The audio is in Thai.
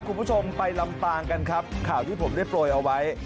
คุณผู้ชมไปลำปางกันครับข่าวที่ผมได้โปรยเอาไว้